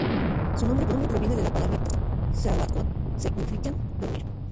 Su nombre proviene de la palabra rusa "баюкать", que significa dormir.